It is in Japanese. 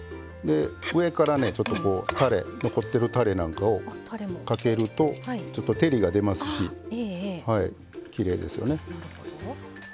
上から残ってるたれなんかをかけると照りが出ますしきれいですよね。